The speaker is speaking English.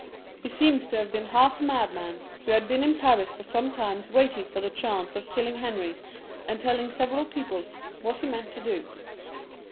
He seems to have been half a madman, who had been in Paris for some time waiting for the chance of killing Henry, and telling several people what he meant to do.